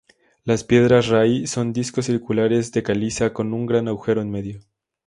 Las piedras rai son discos circulares de caliza con un gran agujero en medio.